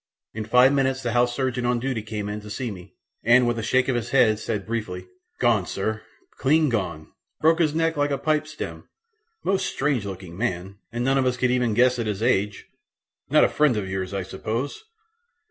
In five minutes the house surgeon on duty came in to see me, and with a shake of his head said briefly "Gone, sir clean gone! Broke his neck like a pipe stem. Most strange looking man, and none of us can even guess at his age. Not a friend of yours, I suppose?"